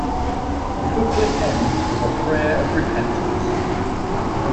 The booklet ends with a prayer of repentance.